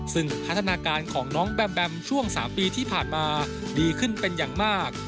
ซึ่งพัฒนาการของน้องแบมแบมช่วง๓ปีที่ผ่านมาดีขึ้นเป็นอย่างมาก